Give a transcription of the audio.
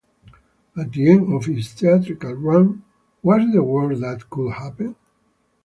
At the end of its theatrical run, What's the Worst That Could Happen?